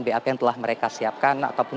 bap yang telah mereka siapkan ataupun